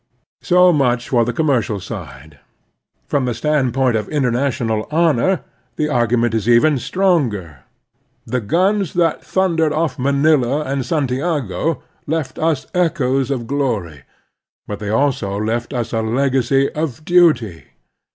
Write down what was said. So much for the commercial side. From the standpoint of international honor the argument is even stronger. The guns that thundered off Manila and Santiago left us echoes of glory, but they also left us a legacy of duty.